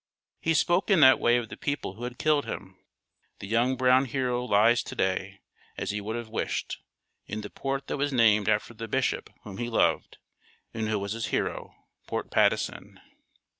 He spoke in that way of the people who had killed him. The young brown hero lies to day, as he would have wished, in the port that was named after the Bishop whom he loved, and who was his hero, Port Patteson.